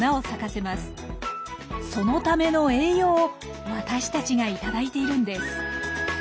そのための栄養を私たちが頂いているんです。